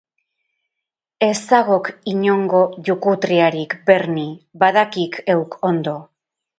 Ez zagok inongo jukutriarik, Bernie, badakik heuk ondo.